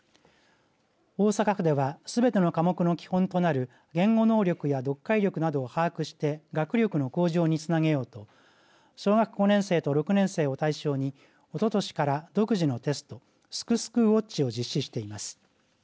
大阪府ではすべての科目の基本となる言語能力や読解力などを把握して学力の向上につなげようと小学５年生と６年生を対象におととしから独自のテストすくすくウォッチを実施しています。